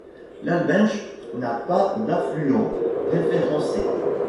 L'Albenche n'a pas d'affluent référencé.